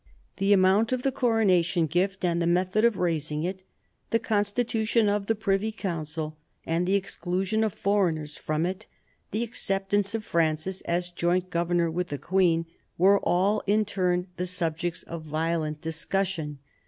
The amount of the coronation gift, and the method of raising it ; the constitution of the Privy Council, and the exclusion of foreigners from it; the acceptance of Francis as joint governor with the queen, were all in turn the subjects of violent discussion.